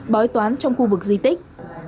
báo y toán trong khu vực di tích